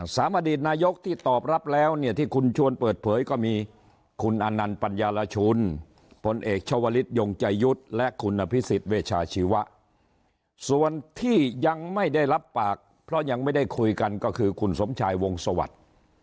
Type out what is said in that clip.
อดีตนายกที่ตอบรับแล้วเนี่ยที่คุณชวนเปิดเผยก็มีคุณอนันต์ปัญญารชุนพลเอกชาวลิศยงใจยุทธ์และคุณอภิษฎเวชาชีวะส่วนที่ยังไม่ได้รับปากเพราะยังไม่ได้คุยกันก็คือคุณสมชายวงสวัสดิ์